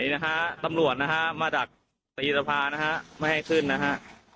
นี่นะฮะตำรวจนะฮะมาดักตีสภานะฮะไม่ให้ขึ้นนะฮะ